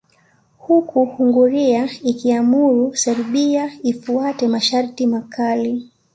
Huku Hungaria ikiamuru Serbia ifuate masharti makali